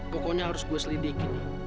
pokoknya harus gue selidik